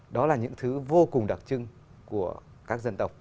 đó là những thứ vô cùng đặc trưng của các dân tộc